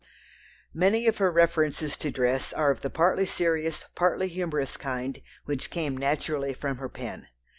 Many of her references to dress are of the partly serious, partly humorous kind which came naturally from her pen.